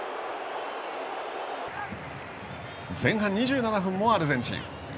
前半２７分もアルゼンチン。